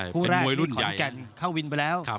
คู่แรกคอนกันเข้าวินไปแล้ว